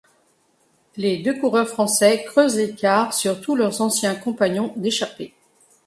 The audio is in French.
Les deux coureurs français creusent l'écart sur tous leurs anciens compagnons d'échappée.